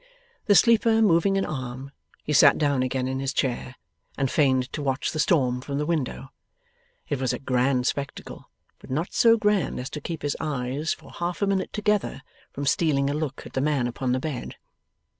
The sleeper moving an arm, he sat down again in his chair, and feigned to watch the storm from the window. It was a grand spectacle, but not so grand as to keep his eyes, for half a minute together, from stealing a look at the man upon the bed.